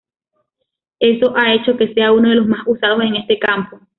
Eso ha hecho que sea uno de los más usados en este campo.